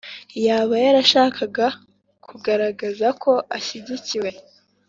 yaba yarashakaga kugaragaza ko ashyigikiye